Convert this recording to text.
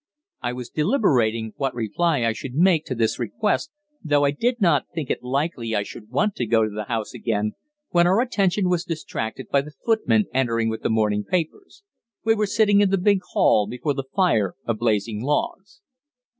I was deliberating what reply I should make to this request, though I did not think it likely I should want to go to the house again, when our attention was distracted by the footman entering with the morning papers we were sitting in the big hall, before the fire of blazing logs.